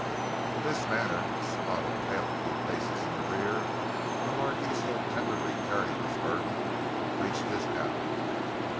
In this manner, with Spotted Tail a few paces in his rear, Mullarky, still tenderly carrying his burden, reached his cabin.